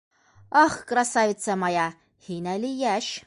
Ах, красавица моя, һин әле йәш...